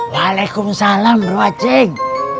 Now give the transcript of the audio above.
waalaikumsalam bro acing